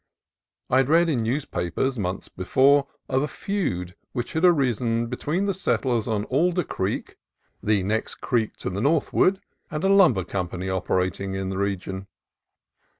I had read in newspapers, months before, of a feud which had arisen between the settlers on Alder Creek (the next creek to the northward) and a lum ber company operating in the region.